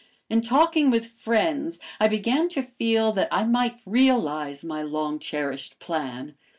In talking with friends I began to feel that I might realize my long cherished plan.